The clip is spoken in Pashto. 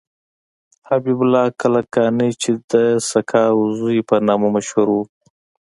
حبیب الله کلکانی چې د سقاو زوی په نامه مشهور و.